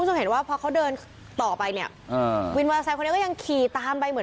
คุณคงเห็นว่าพอเขาเดินต่อไปเนี้ยอ่าคนนี้ก็ยังขี่ตามไปเหมือน